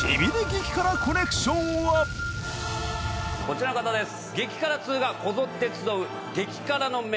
激辛コネクションはこちらの方です